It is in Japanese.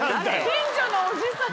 近所のおじさん。